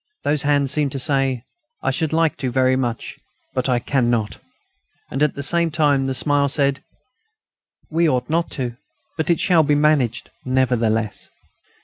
Those hands seemed to say: "I should like to very much, but I cannot." And at the same time the smile said: "We ought not to, but it shall be managed nevertheless."